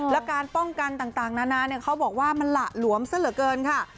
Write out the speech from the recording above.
และการป้องกันต่างนานาเขาบอกว่ามันหละหลวมซะเหลือเกินค่ะ